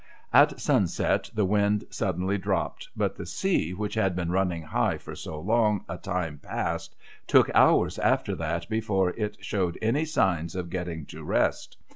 At sunset the wind suddenly dropped, but the sea, which had been running high for so long a time past, took hours after that before it showed any signs of getting to rest.